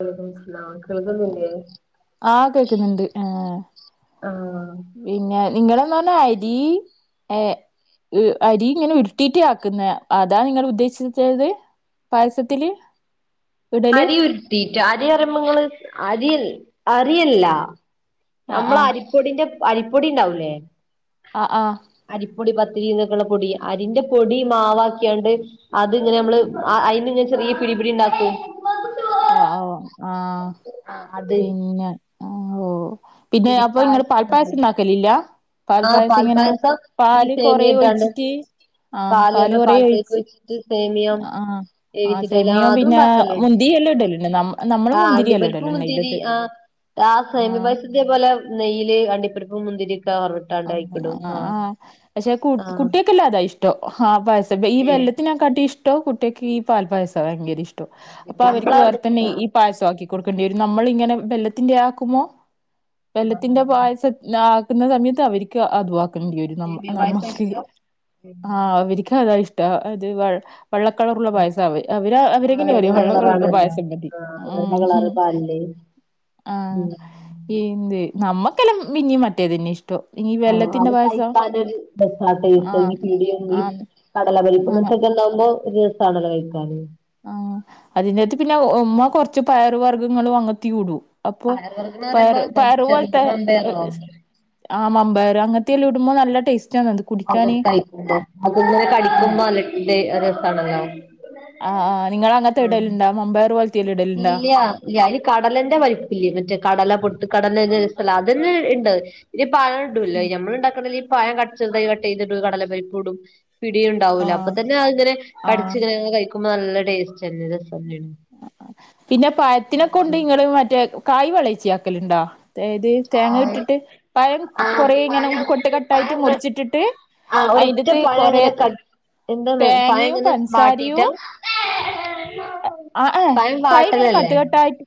[unintelligible] കേൾക്കുന്നില്ലേ? ആഹ് കേക്കുന്നുണ്ട് ആഹ്. ആഹ്. പിന്നെ നിങ്ങളെന്നാ പറന്ന അരീ ഏ. അരി ങ്ങനെ ഉരുട്ടീട്ട് ആക്ക്ന്ന അതാ നിങ്ങളുദ്ദേശിച്ചത്? പായസത്തില് ഇടല് അരി ഉരുട്ടീറ്റ് അരിയറുമ്പോങ്ങള് അരിൽ അരിയല്ല. ആഹ് ആഹ് ഞമ്മളരിപ്പൊടിന്റെ അരിപ്പൊടി ണ്ടാവൂല്ലേ? അ ആഹ്. അരിപ്പൊടി പത്തിരി എന്നൊക്കെയള്ള പൊടി അരിന്റെ പൊടി മാവാക്കിയാണ്ട് അത്ങ്ങനെ നമ്മള് അ അയ്ന്നിങ്ങനെ ചെറിയ പിടിപിടി ഉണ്ടാക്കും. ആ ഓ ആ ആഹ് അത് പിന്നെ ആ ഓ. പിന്നെ അപ്പൊ ഇങ്ങള് പാൽപ്പായസം പിടിപ്പായസം ഉണ്ടാക്കലില്ലാ. പാൽ ആഹ് പായസം ഇങ്ങനെ പാൽപ്പായസം ഈ പാല് കൊറേ സേമിയ ഇട്ടാണ്ട് ഒഴിച്ചിട്ട് ആ പാല് കൊറേ ഒഴിച്ച് ട്ട് സേമിയ ആഹ് ആഹ് ഏവിസിന്റല്ലേ സേമിയോ പിന്നെ അതുണ്ടാക്കലൊണ്ട് മുന്തിരി എല്ലാം ഇടലുണ്ട് നമ്മ നമ്മള് ആ മുന്തിരിയെല്ലാം അണ്ടിപ്പരിപ്പ്‌ ഇടലുണ്ട് മുന്തിരി അയിലത് ആ ആ സേമിയ ആഹ് പായസത്തിന്റ പോലെ നെയ്യില് അണ്ടിപ്പരിപ്പും മുന്തിരിക്കെ വറത് അങ്ങനെ ആ പക്ഷെ കു ആഹ് കുട്ടികക്കെല്ലാ അതാ ഇഷ് ട്ടം ആ പായസം ഈ ഏഹ് വെല്ലത്തിനക്കാട്ടി ഇഷ്ടോ കുട്ടികക്ക് ഈ പാൽ പായസാ ഭയങ്കര ഇഷ്ടം. ട്ടം അത് ശരി അപ്പൊ അവർക്ക് വേറെ തന്നെ ഞമ്മളവിടക്കൊന്നും ഈ പായസമാക്കി അങ്ങനെ കൊടുക്കേണ്ടിവരും. നമ്മളിങ്ങനെ വെല്ലത്തിന്റെ ആക്കുമോ ആഹ് വെല്ലത്തിന്റെ ആഹ് പായസം ആക്കുന്ന സമയത്ത് അവര്ക്ക് അതുവാക്കണ്ടിവരും നമ്മ സേമിയ പായസാ നമ്മക്ക്, ഇഷ്ടം ആ അവര്ക്ക് അതാ ഇഷ്ട ട്ടാ അത് വ വെള്ളക്കളറുള്ള പായസാവ ആഹ് അവരങ്ങനെയ പറയ വെള്ള വെള്ളക്കളറുള്ള കളറാണല്ലോ പായസം മതി ആഹ് വെള്ള കളറ് ഉം. പാലില് ഉം ന്ത് നമ്മക്കെല്ലാം പിന്നിം മറ്റേതന്നെയാ ഇഷ്ടം. ഈ ആ വെല്ലത്തിന്റെ അത് പായസം കഴിക്കാനൊരു [unintelligible] ആഹ് ആന്ന് കടല പരിപ്പ് ആഹ് ഇങ്ങനത്തെക്കെ ഉട്ട്ണ്ടാവുമ്പോ ഒരു രസാണല്ലോ കഴിക്കാന് ആ അതിന്റകത്ത് പിന്നെ ഉമ്മ കൊറച്ച് പയറ് വർഗങ്ങള് അങ്ങത്തിയുടും അപ്പൊ പയർ വർഗ്ഗന്ന് പറയുമ്പോ പയറ് പയറു ചെറിയ പോലത്തെ അ മമ്പയറോ ആ മമ്പയർ അങ്ങനത്തെയെല്ലാം ഇടുമ്പോ നല്ല ടേസ്റ്റ് ആണത്. അതൊക്കെആയിട്ടുണ്ടോ അത്ങ്ങനെ ആഹ് കടിക്കുമ്പോ നല്ല ടെ രസാണല്ലേ. ആ ആ നിങ്ങളങ്ങനത്തെ ഇടലുണ്ടാ മമ്പയർപോൽ ഇല്ല ഇല്ല അതിനു കടലെന്റെ വലുപ്പില്ലേ. മറ്റേ കടല പൊട്ടു കടല ത് ല്ല അതന്നെ ഇണ്ട്. ഇത് പഴം ഇടൂല്ലേ, നമ്മളുണ്ടാക്കണെല് ഈ പഴം കട്സ് ചെറുതായി കട്ട് ചെയ്തിടും കടല പരിപ്പിടും. പിടി ഉണ്ടാവൂലേ അപ്പൊ ആഹ് തന്നെ അ ഇങ്ങനെ ആഹ് കടിച്ചിങ്ങനെ കഴിക്കുമ്പോ നല്ല ടേസ്റ്റ് തന്നെ രസം തന്നെയാണ്. പിന്നെ പഴത്തിനെ കൊണ്ട് ഇങ്ങള് മറ്റേ കായ് വെളയിച്ചിയാക്കലുണ്ടോ? അത് തേങ്ങ ഇട്ടിട്ട് പഴം കൊറെ ഇങ്ങനെ കൊട്ട് കട്ടായിട്ട് മുറിച്ചിട്ടിട്ട് ആ ഒരൊറ്റ അയിന്റത്ത് പഴം കൊറേ ഇങ്ങനെ കട് എന്താണു പയം തേങ്ങയും ഇങ്ങനെ പഞ്ചസാരയും ബാട്ടീട്ടാ ആ ആ പയം ഇങ്ങനെ കട്ടുകട്ടായിട്ട്,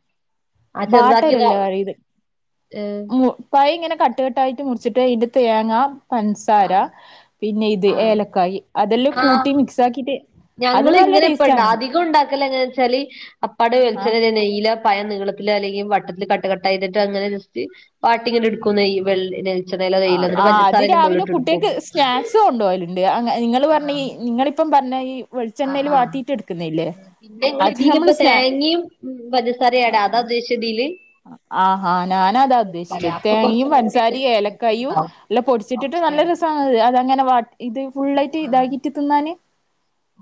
ആ ചെറുതാക്കി ബാട്ടലല്ല പറയത്. ഏ പഴം ഇങ്ങനെ കട്ടുകട്ടായിട്ട് മുറിച്ചിട്ട് അതിന്റെ തേങ്ങ ആ പൻസാര പിന്നെ ഈ ആ ഏലക്കായ് അതെല്ലാം ആഹ് കൂട്ടി മിക്സ് ആക്കിട്ട് അത് നല്ല ടേസ്റ്റ് ആണ് ഇതൊണ്ടാക്കല് എങ്ങനാ വെച്ചാല് അപ്പാടെ ആ വച്ചതത് നെയില പയം നീളത്തിൽ അല്ലെങ്കിൽ വട്ടത്തിൽ കട്ട് കട്ടായിട്ട് അങ്ങനെ ജസ്റ്റ് വാട്ടിങ്ങനെ എടുക്കു നെയ് വെള് വളിച്ചെണ്ണയിലൊ ആ നെയ്യിലോ എന്നിട്ട് പഞ്ചസാര അതിന്റെ മുകളിട്ട് എടുക്കും ട്ട് കൊണ്ടു പോയലുണ്ട് നിങ്ങൾ പറഞ്ഞ ഈ നിങ്ങളിപ്പം പറഞ്ഞ ഈ ആ വെളിച്ചെണ്ണയിൽ ആ വാട്ടിയിട്ട് എടുക്കുന്നില്ലേ പിന്നെ ങ്ങ അത് ഇടിയില ഇപ്പ നമ്മള് സ്നാ തേങ്ങയും പഞ്ചസാരട ആ അതാ ഉദ്ദേശി ഇതില് ആഹാ ഞാനതാ ചേർക്കല്ലേ ഉദ്ദേശിച്ചത് അപ്പൊ തേങ്ങയും കൊറച്ചും കൂടി ഇത് പഞ്ചസാരിയും ഏലക്കായും രസണ്ടാവും അല്ല പൊടിച്ചിട്ടിട്ട് ഓക്കെ നല്ല രസമാണ്ത് അതങ്ങനെ വാട്ട് ഇത് ഫുള്ളായിട്ട് ആഹ് ഇതാക്കിട്ട് തിന്നാന്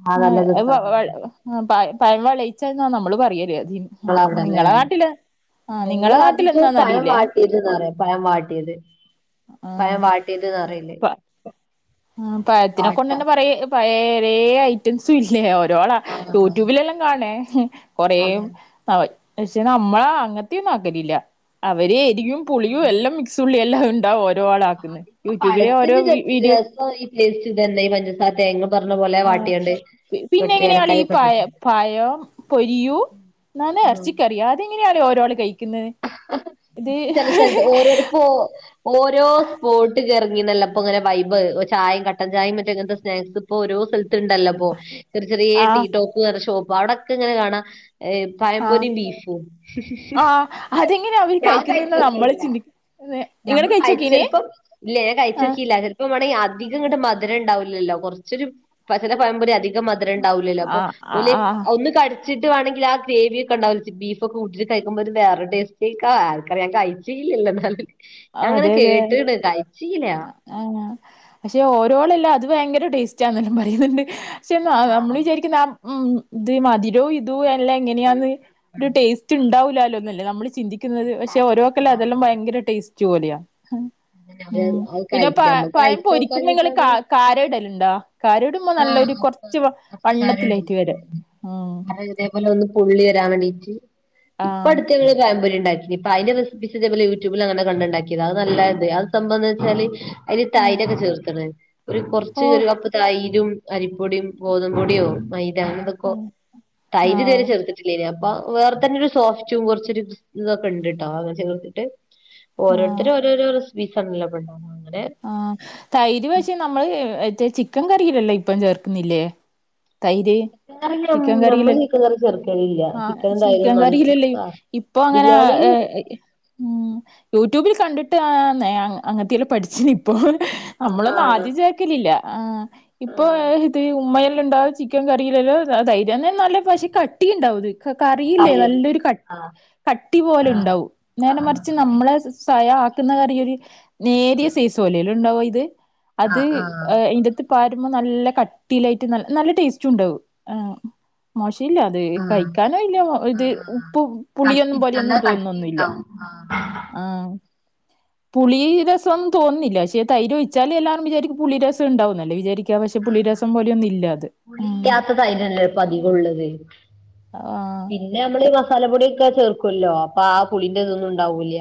ആഹ് ആ നല്ല വ രസാണ് വ ഇങ്ങളെ ആഹ് പഴ പഴം വെളയിച്ച്ന്നാ നമ്മള് പറയല് ഉം ആഹ് ഇങ്ങളെ നാട്ടില് ആഹ് ഞങ്ങളെ നിങ്ങളെ നാട്ടിൽക്ക് പയം നാട്ടിലെന്താന്നറിയില്ലേ വാട്ടിയെത് ന്നാ പറയാ പയം വാട്ടിയത് പയം വാ ആഹ് വാട്ടിയത് ന്ന് പറയും [unintelligible] ആഹ് പഴത്തിനെ വാട്ട കൊണ്ടെന്നെ പറയ് പയെ വേ ഐറ്റംസും ഇല്ലേ ഓരോ ആഹ് യൂട്യൂബിലെല്ലം കാണെ കൊറേം അതന്നെ ആഹ് പക്ഷെ നമ്മള് അങ്ങൻത്തെയൊന്നും ആക്കലില്ലാ അവര് എരിയും പുളിയും എല്ലാം മിക്സ് ഉള്ളിയെ എല്ലാം ഇണ്ടാവും ഓരോ ആള് ആക്ക്ന്ന് ഇപ്പൊ യൂട്യൂബിലെ ഓരോ പഴത്തിന് ര വീഡിയോ [unintelligible] ടേസ്റ്റ് കിട്ടാൻ എന്തേ പഞ്ച ആഹ് പി പിന്നെ കൊട്ടി എങ്ങനെയാളീ ഈ ഏലക്കായൊക്കെ പയം ഇട്ടിട്ടുണ്ട് പയം പൊരിയൂ എന്നാണ് ആഹ് എറച്ചിക്കറിയാ അതെങ്ങനെയാളി ഓരാള് കഴിക്കുന്നെ ചെല സ്ഥലത്ത് ഓരോരുപ്പോ ഓരോ സ്പോട്ട്ക്ക് എറങ്ങീണല്ലോ ഇപ്പോ ഇങ്ങനെ വൈബ് ചായേം കട്ടൻ ചായേം മറ്റേ ഇങ്ങൻത്തെ സ്നാക്സ് ഇപ്പൊ ഓരോ സ്ഥലത്ത്ണ്ടല്ലോ ഇപ്പോ ചെർ ചെറിയെ ടീ ആഹ് ടോപ്പ് പറഞ്ഞ ഷോപ്പ് അവിടെക്കെ ഇങ്ങനെ കാണാ ഏഹ് പഴം പൊരിയും ബീഫും അതെങ്ങനെയാ അവര് ഞാൻ കയിക്കുന്നേന്നാ നമ്മള് കഴിച്ചിട്ടില്ല ചിന്തി ഞമ്മള് കയി ചെലപ്പം ഇല്ലാ ഞാൻ ആ കയിച്ചോക്കീല്ലാ ചെൽ ഇപ്പം വേണെങ്കിൽ അധികങ്ങട്ട് മധുരണ്ടാവില്ലല്ലോ കൊറച്ചൊരു പ ചെല പയമ്പൊരി അധിക് കം മധുരണ്ടാവൂല്ലല്ലോ അപ്പൊ ആഹ് ഓല് ആഹ് ഒന്ന് കടിച്ചിട്ട് വാണെങ്കില് ആ ഗ്രേവിയൊക്കെ ഇണ്ടാ ബീഫൊക്കെ കൂട്ടീട്ട് കയിക്കുമ്പോ ഒരു വേറെ ടേസ്റ്റായിക്കാ ആരിക്കറിയാ കയിച്ചീല്ലല്ലോ എന്നാലും ആഹ് ഞാങ്ങനെ അതെ അതെ കേട്ട്ണ് കയിച്ചീല്ലാ ആഹ് പക്ഷെ ഓരോളല്ല അത് ഭയങ്കര ടേസ്റ്റാന്നെല്ലം പറയുന്നുണ്ട് പക്ഷെ ന നമ്മള് ആഹ് വിചാരിക്കുന്ന ആഹ് ഉം ഇത് മധുരോം ഇതും എല്ലാം എങ്ങനെയാന്ന് ഒരു ടേസ് റ്റ്ണ്ടാവൂല്ലാല്ലോന്നല്ലേ നമ്മള് ചിന്തിക്കുന്നത് പക്ഷെ ഓരോക്കെല്ലം അതെല്ലം ഭയങ്കര ടേസ്റ്റ് പോലെയാ ഉം അത് പിന്നെ പ കഴിച്ച് നമ്മക്ക് പഴം പൊരിക്കുമ്പോ ഇങ്ങള് ക കഴിച്ചോക്കാഞ്ഞിട്ടാണ് കാര ഇടല്ണ്ടോ കാരടും മ്മം നല്ല ആഹ് ഒരു അപ്പ കൊറച്ച് അപ്പക്കാരം വണ്ണത്തിലായിറ്റ് വെരാ ഉം ലൊന്ന് പൊള്ളി വെരാൻ വേണ്ടീറ്റ് ഇപ്പൊ ആഹ് അടുത്ത് ഞങ്ങള് പയം പൊരി ഇണ്ടാക്കി ഇപ്പൊ അതിന്റെ റെസിപ്പീസ് ഇതുപോലെ യൂട്യൂബിൽ അങ്ങനെ കണ്ട്ണ്ടാക്കിയതാ അത് നല്ലായിണ്ട് അത് സംഭവെന്താന്ന് വെച്ചാല് അയില് ആഹ് തൈരൊക്കെ ചേർത്ത്ണ് ഒരു കൊറച്ച് ഓ ഒരു കപ്പ് തൈ രും അരിപ്പൊടിയും ഗോതമ്പൊടിയോ മൈദ അങ്ങനെന്തൊക്കോ ആഹ് തൈര് ഇത് വരെ ആഹ് ചേർത്ത്ട്ട് ട്ടില്ലേനി അപ്പ വേറെ തന്നെ ഒരു സോഫ്റ്റും കൊറച്ചൊരു ഇതൊക്കെ ഇണ്ട്ട്ടോ അങ്ങനെ ചേർത്തിട്ട് ആഹ് ഓരോരുത്തര് ഓരോരോ രസ്പ്പീസാണല്ലോപ്പണ്ടാക്കാ അങ്ങനെ ആഹ് തൈര് പക്ഷേ നമ്മള് മറ്റേ ചിക്കൻ കറിയിലെല്ലാം ഇപ്പം ചേർക്കുന്നില്ലേ തൈര് ചിക്കൻ [unintelligible] കറിയില ഞമ്മള് ചിക്കൻ കറി ചേർക്കലില്ലാ ആഹ് ചിക്കനും തൈരും ചിക്കൻ നല്ല കറിയിലല്ലേ [unintelligible] ഇപ്പൊ അങ്ങനെ ബിരിയാണിയില് ഏഹ് ഉം യൂട്യൂബില് കണ്ടിട്ട് ആഹ് നെ അങ്ങനെത്തെയെല്ലം പഠിച്ചിന് ഇപ്പോ നമ്മളൊന്നും ആഹ് ആദ്യ ചേക്കലില്ലാ ആഹ് ഇപ്പൊ ഇത് ഉമ്മയെല്ലാം ഇണ്ടാ ചിക്ക് ചിക്കൻ കറിയിലെല്ലം തൈര് തന്നെ നല്ലെ പക്ഷെ കട്ടിയ്ണ്ടാവും ഇത് ക കറിയില്ലേ അയ്യോ നല്ലൊരു കട്ടി ആഹ് കട്ടി പോലെ ആഹ് ഇണ്ടാവും നേരെ ആഹ് മറിച്ച് നമ്മളെ സ് സ്വയം ആക്കുന്ന കറി ഒരു നേരിയ സെയ്സ് പോലെയല്ലെ ഇണ്ടാവാ ഇത് അത് ആഹ് ഏഹ് ഈൻ്റാത്ത് പാരുമ്പോ നല്ല കട്ടിയിലായിറ്റ് നൽ നല്ല ടേസ്റ്റുണ്ടാവും ആഹ് മോശയില്ലാ ത് ആഹ് കഴിക്കാനോ ഇല്ല ഇത് ഉപ്പ് പുളിയൊന്നും കട്ടി നല്ല പോലെയൊന്നും തോന്നുന്നൊന്നുല്ലാ. കട്ടിണ്ടാവും ആഹ് ആഹ് പുളി രസ ഒന്നു തോന്നില്ല. ക്ഷെേ തൈര് ഒഴിച്ചാല് എല്ലാരും വിചാരിക്കും പുളി രസം ഉണ്ടാവുന്നല്ലേ വിചാരി ആഹ് ആഹ് പുളി ഉം ഇല്ലാത്ത തൈരല്ലേ ഇപ്പധികുള്ളത്. ആഹ് പിന്നെ നമ്മള് ഈ മസാല പൊടിയൊക്കെ ചേർക്കൊല്ലോ. അപ്പ ആ പുളിന്റെ ഇതൊന്നും ഉണ്ടാവൂല്ല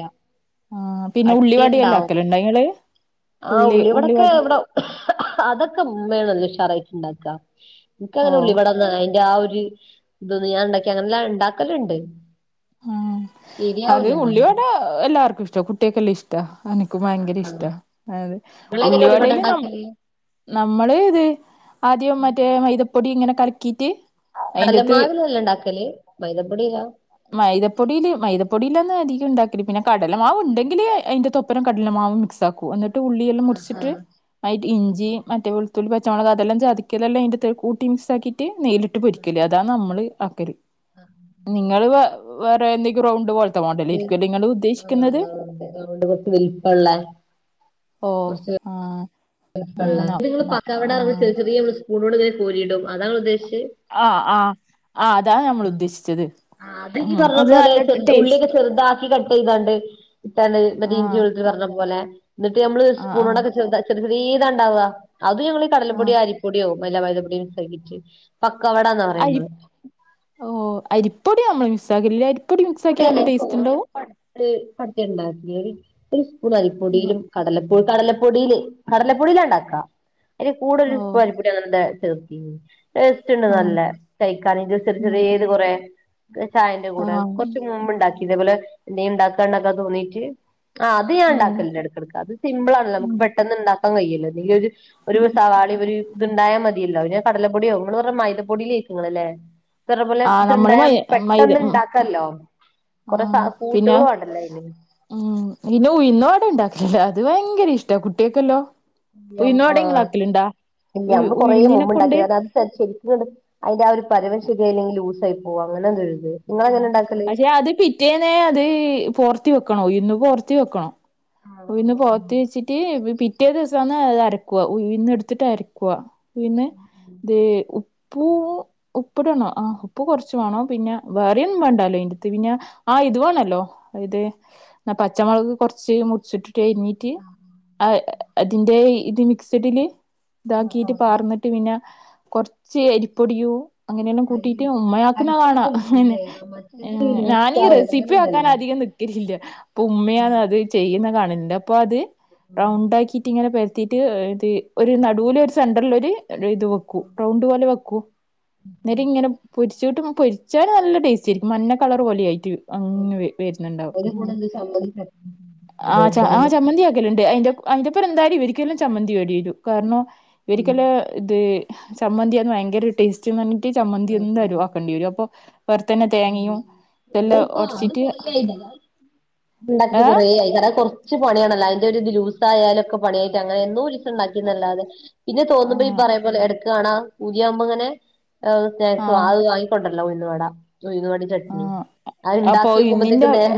ആഹ് പിന്നെ ഉള്ളി വാടെല്ലാം കട്ടിണ്ടാവും ആക്കല് ഇണ്ടങ്ങള് ആഹ് ഉള്ളി ഉള്ള ഉള്ളിവടൊക്കെ വട. ഇവിടെ അതൊക്കെ ഇമ്മേണല്ലോ ഉഷാറായിറ്റ് ഇണ്ടാക്ക. ഇക്ക് അങ്ങനെ ഓ ഉള്ളി ഉള്ളി വട. ആഹ് അയിന്റെ ആ ഒരു ഇതൊന്നു ഞാൻ ഇണ്ടാക്കി അങ്ങനെല്ല ഇണ്ടാക്കല്ണ്ട്. ഉം അത് ഉള്ളിവട എല്ലാർക്കും ഇഷ്ട കുട്ട്യേക്കല്ല ഇഷ്ട അന ക്കും ഭയങ്കര ഇഷ്ട ഇങ്ങളെങ്ങനെ അതെ ഉള്ള ഉള്ളിവട വടേൽ നമ്മ ഇണ്ടാക്കല് നമ്മള് ഇത് ആദ്യം മറ്റേ മൈദപ്പൊടി ഇങ്ങനെ കലക്കീട്ട് അയിന്റത്ത് കടലമാവിലല്ല ഇണ്ടാക്കല് മൈതപ്പൊടീല്ലാ. മൈദപ്പൊടിയില് മൈദപ്പൊടിലൊന്നും അധികം ഉണ്ടാക്കില്ല പിന്നെ കടലമാവ്. ഉണ്ടെങ്കില് അതിന്റെ തൊപ്പ അപ്പം കടലമാവ് മിക്സ് ആക്കും എന്നിട്ട് ഉള്ളി കള് ആഹ് മുറിച്ചിട്ട് ആഹ് ഇഞ്ചി മറ്റേ ത്തുള്ളി പച്ച മൊളക് അതെല്ലാം ചതിക്കലെല്ലാം അതിന്റെ കൂട്ടി മികസാക്കിട്ട് നെയിലിട്ട് പൊരിക്കല് പ അതണ് നമ്മൾ ആക്കല് ആഹ് പ്പോ വേറെ [unintelligible] റൗണ്ട് പോ ആണ്ട് അതോണ്ട് കൊറ്ച്ച് വെൽപ്പംള്ള ഓഹ് ആഹ് ഇതിങ്ങള് പക്കാവടറഞ് ചെറിയ ചെറിയ സ്പൂണിനോട് ഇങ്ങനെ കൊരിയിടും അതാങ്ങള് ഉദ്ദേശച്ച്. ആഹ് ആഹ് ആഹ് അതാണ് നമ്മൾ ഉദ്ദേശിച്ചത് ആഹ് അത് ഇയ്യ് ഉം പറഞ്ഞ അത് പോലെ നല്ല ചെറു ടേസ്റ്റ് ഉള്ള്യക്കെ ചെറുതാക്കി കട്ട് ചെയ്താണ്ട് ഇട്ടാണ്ട് മറ്റേ ആ ഇഞ്ചി വെളു പറഞ്ഞ പോലെ ഇന്നട്ട് ഞമ്മൾ ഒരു ആ ആ സ്പൂണോടൊക്കെ ചെറിയ ചെർ ചെറ്യേതാണ്ടാവ അതും ഞങ്ങ ആ കടലപൊടിയോ അരിപ്പൊട്യാെ മൈതപ്പൊടിയും മിക്സാക്കിട്ട് പക്കവടന്ന പറയുന്നത് ഓഹ് അരിപ്പൊടി നമ്മള് മിസ്സാക്കില്ല [unintelligible] പൊടി ഉണ്ടാക്കിയ [unintelligible] [unintelligible] [unintelligible] ഒരു സ്പൂൺ അരിപ്പൊടിയിലും കടലപ്പൊ കടലപ്പൊടിൽ കടലപ്പൊടില ഇണ്ടാക്കാ അതിന് കൂടെ ഒരു ഓ പൽപ്പൊടി ടേസ്റ്റ്ണ്ട് ആ നല്ല കയ്ക്കാൻ ചെർ ഉം, ചേര്യർത് കൊറേ ചായന്റെ ആ കൂടെ കൊറ്ച്ച മുമ്പ് ഉണ്ടാക്കി ഇതേപോലെ എന്തേ ഇണ്ടാക്കാണ്ടക്കാ തോന്നീട്ട് ആഹ് അത് ഓ ഞാൻണ്ടാക്കലടക്കിടക്ക അത് സിമ്പിൾ ആണല്ലോ ഉം, നമക്ക് പെട്ടെന്ന് ഇണ്ടാക്കാൻ കഴിയാല്ലൊ ഒരു ഒരു ഉം. സവാളി ഒരു ഇതുണ്ടായ മതിയല്ലോ പിന്നെ കടലപ്പൊടിയോ നമ്മൾ വറെ മൈദപ്പൊടിൽേക്കങ്ങളല്ലേ ഇത്ര പോലെ ആ നമ്മള് ഇത്ണ്ടായ മൈ നമുക്ക് മൈദ ഉം പെട്ടെന്നുണ്ടാക്ക ക്കല്ലോ ആ കൊറെ പിന്നെ കൂട്ടുകളും വാണ്ടല്ലോ അതിന് ഉം പിന്നെ ഉയ്ന്ന പട ഉണ്ടാക്കല് അത് ഭയങ്കര ഇഷ്ട കുട്ടേക്കല്ലോ ആഹ് ഇല്ല ഉ അമ്മ് കൊറേ ഉഴുന്നിനെ മുമ്പ് കൊണ്ട് ഇണ്ടാക്കി അതാത് ശരിക്ക [unintelligible] അതിന്റെ ആ ഒരു പരിവം ശരി അല്ലെങ്കിൽ ലൂസ് ആയി പോകും അങ്ങനെ എന്താഴുത് ഇങ്ങളങ്ങനെ ഉണ്ടാക്കല് പിറ്റേന്നെ അത് പോർത്തി വെക്കണോ ഉയ്‌ന്ന് പോർത്തി വെക്കണോ ആഹ് ഉയ്ന്ന് ആഹ് ആഹ് പോത്ത് വെച്ചിട്ട് പിറ്റേ ദിവസന്ന് അത് അരക്കുവ ഉയ്ന്ന് എടുത്തിട്ട് അരക്കുവ പിന്നെ ദെ ഉപ്പു ഉപ്പിടണം ആഹ്. ഉപ്പ് കൊറ്ച്ചു വേന്നം പിന്നെ വേറെ ഒന്നും വേണ്ടാലോ അയ്ന്റത്ത് പിന്നെ ആഹ് ഇത് വാണല്ലോ ഇത് പച്ചമുളക്ക്റച്ച് ചുട്ടിട്ട് എഴുന്നീട്ട് ആഹ് ആ അതിന്റെ ഇത് മിക്സഡില് ആഹ് ഇതാക്കീട്ട് ആഹ് പാർന്നിട്ട് പിന്നെ കൊറ്ച്ച് എരപ്പൊടിയും അങ്ങനെയെല്ലാം അരി കൂട്ടീട്ട് അരിപ്പൊടി ഉമ്മയാക്കുന്നതാണാ ണ്. ലൂസില്ലേ മറ്റേത് ഞാനീ ലൂസാവും അങ്ങനെ റെസിപ്പി ആക്കാൻ ഉണ്ടല്ലോ അധികം ന ല്ല അപ്പ ഉമ്മയാണ് ആഹ് അത് ചെയ്യുന്ന കാണണ്ട് അപ്പൊ അത് റൗണ്ട ആക്കി ട്ട് ഇങ്ങനെ പരതിയിട്ട് ഇത് ഒരു നടുവില ഒരു സെന്ററിലൊരു ഒരു ഇത് വെക്കും കു റൗണ്ട്പോലെ വെക്കൂ നേര ഇങ്ങനെ പൊരിചീട്ട് പൊരിച്ചാല് നല്ല ടേസ്റ്റേയിരിക്കും മഞ്ഞ കളറ് പോലെ ആയിട്ട് ആഹ് അങ്ങ് ആഹ് വരുന്നുണ്ടാവും അതിന്റെ കൂടെ എന്തേം ചമ്മന്തി ആഹ് ആ ചമ്മന്തിയാക്കലിണ്ട്. അയിന്റെ അയിന്റെഒപ്പരം എന്തായാലും ഇവരിക്ക്തന്നെ ചമ്മന്തി വേണ്ടി വരും കാരണം ഇവരിക്കെല്ലാ ഇത് ചമ്മന്തിയാന്ന് ഭയങ്കര ടേസ്റ്റ് സ്റ്റ് പറഞ്ഞിട്ട് ചമ്മന്തി ആഹ് ആഹ് എന്തായാലും ആക്കണ്ടി വരും അപ്പൊ വറുത്തന്നെ തേങ്ങയും ഇതെല്ല നമ്മളിപ്പോ ഒടച്ചിട്ട് [inaudible] ഏ ഉണ്ടാക്കിട്ട് കുറേ ആയി കാരണം കുറച്ച് പണിയാണല്ലോ അതിന്റെ ഒരു ഇത് ലൂസായാലൊക്കെ പണിയായിട്ട് അങ്ങനെ. ഉണ്ടാക്കിന്നല്ലാതെ പിന്നെ തോന്നുമ്പോ ഈ ആഹ് പറയമ്പോലെ എടക്ക് കാണാ പൂതിയാവുമ്പോ ഇങ്ങനെ അത് ആഹ് വാങ്ങികൊണ്ട്വ്രല ഉഴുന്ന് വട, ഉഴുന്ന് വടയും ചട്നി. ആഹ് അത് അപ്പൊ ഇണ്ടാക്കിക്കുമ്പോത്തേക്ക് നേര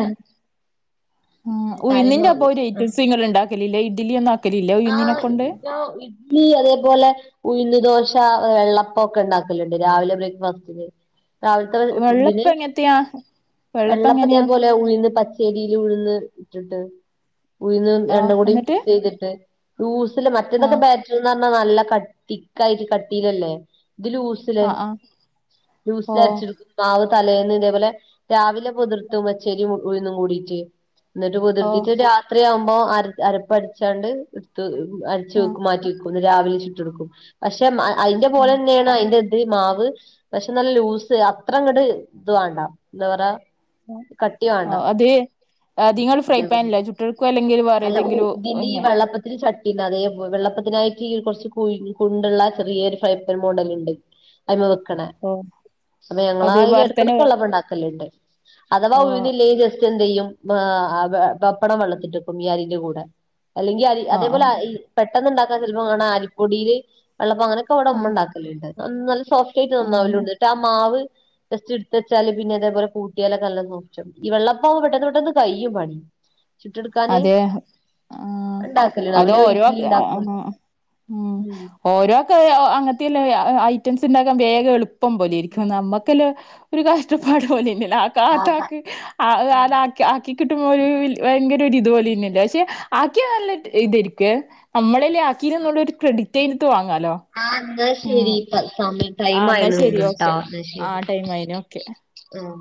ആഹ് ഉഴ്ന്നിന്റെ ഒപ്പൊ ഒരു ഐറ്റംസ് ഇങ്ങള് ഉണ്ടാക്കലില്ലെ ഇഡിലി ഒന്നാക്കലില്ലെ ഉഴുന്നിനെ ആഹ് കൊണ്ട്. ഇതോ ഇഡ്ലി അതേപോലെ ഉഴ്ന്ന് ദോശ, വെള്ളപ്പം ഒക്കെ ഉണ്ടാക്കലുണ്ട് രാവിലെ ബ്രേക്ക്ഫാസ്റ്റിന്. രാവിലത്തെ ഇതിന് വെള്ളപ്പം എങ്ങത്തെയാ വെള്ളപ്പം ഇതേപോലെ ഉഴുന്ന് പ പച്ചഅരില് ഉഴുന്ന് ഇട്ടിട്ട്, ഉഴുന്ന് ആഹ് രണ്ടുകൂടെ എന്നിട്ട് [unintelligible] മറ്റേതൊക്കെ ആഹ് ബാറ്ററിന്ന് പറഞ്ഞ നല്ല കട്ടിക്ക് തിക്കായിട്ട് കട്ടിലല്ലേ ഇത് ലൂസ് ആഹ് ആഹ് ലൂസില് ഓഹ് അരച്ചിടുക്ക മാവ് തലേന്ന് ഇതേപോലെ രാവിലെ കുതിർത്ത് പച്ചരി ഉഴുന്നും കൂടീട്ട് ഇന്നിട്ട് ഓഹ് കുതിർത്തിട്ട് രാത്രിയാവുമ്പോ അ അരപ്പ് അടിച്ചാണ്ട് ഇടുത്ത ച്ച് ആഹ് വെക്കും മാറ്റി വെക്കും രാവിലെ നീച്ചിട്ട് ചുട്ടെടുക്കും പക്ഷെ അയിന്റെ ആഹ് പോലെന്നാണ് അതിന്റെ മാവ് പക്ഷെ നല്ല ലൂസ് അത്ര അങ്ങട് ഇത് വേണ്ട എന്താ പറ ആഹ് കട്ടി വേണ്ട. ഓഹ് അത് അത് ഇങ്ങള് ഫ്രൈ അതേപോലെ പാനിലോ ചുട്ടെടുക്കോ അല്ലെങ്കിൽ വേറെ അല്ല ഏതെങ്കിലും ഇതിന് ഈ ഇങ്ങനെ വെള്ളപ്പത്തിന് ചട്ട ഇത് അതേ വെള്ളപ്പത്തിനായിട്ട് കുറച്ച് കുഴിഞ്ഞ് കുണ്ടുള്ള ചെറിയൊരു ഫൈപ്പർ മോഡൽ ഉണ്ട് അതിന്മേൽ വെക്കണ ഓഹ് അപ്പൊ ഞങ്ങള അത് അതില് വേറെ തന്നെ എടക്കടക്ക് വെള്ളപ്പം ഉണ്ടാക്കലിണ്ട് അഥവാ ഓഹ് ഉഴുന്നില്ലേ ല് എന്തെയും പപ്പടം വെള്ളത്തില് ഇട്ട്വെക്കും ഈ അരീന്റെ കൂടെ അല്ലെങ്ക ആഹ് അതേപോലെ ആഹ് ഈ പെട്ടെന്ന്ണ്ടാക്കാ ചിലപ്പോ കാണ അരിപ്പൊടീല് വെള്ളപ്പം അങ്ങനൊക്കെ അവടെ ഉമ്മ ആഹ് ഇണ്ടാക്കലിണ്ട് നല്ല സോഫ്റ്റായിട്ട് ആഹ് നന്നാവലുണ്ട് ഇന്നട്ട് ആ മാവ് ജസ്റ്റ് ഇടുത്ത് വെച്ചാല് പിന്നെ ഇതേപോലെ കൂട്ടിയാലൊക്കെ നല്ല [unintelligible] ഈ വെള്ളപ്പം പെട്ടെന്ന് പെട്ടന്ന് കയ്യും പണി. ചുട്ടെടുക്കാന് അതെ ആ ഉണ്ടാക്കല് അല്ലേൽ ഇഡ്ഡലി ഇണ്ടാക്കും മ്മ്ഹ്ഹ് ഓരോക്കെ അങ്ങനത്തെല്ല ഐറ്റംസ് ഉണ്ടാക്കാൻ വേഗം എളുപ്പം പോലെഇരിക്കും നമ്മ ക്ക്ല് ഒര് കഷ്ടപ്പാട് പോലെ ഇല്ലേ ആ കാണ്ണ അതാ ആൾക്ക് ആ ആക്കി കിട്ടുമ്പോ ഒര് ഭയങ്കര ഇത്പോലെഇല്ലേ പക്ഷെ ആക്കി നല്ല ഇതേരിക്കും ക്കുവേ നമ്മളല്ലേ ആക്കിനുന്നുള്ള ഒര് ക്രെഡിറ്റ് ഇട്ത്ത് വാങ്ങാലോ ആഹ് ന്നാ ശെരി ഇപ്പ സമയം ആ ടൈം എന്നാ ശരി ആയിണുന്ന് ട്ടോ ഓക്കെ എന്നാ ആ ശരി ടൈം ആയിന് ഓക്കെ ആഹ്